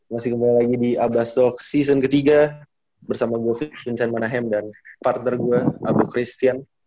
masih kembali lagi di abastog season ke tiga bersama gue vincent manahem dan partner gue abu christian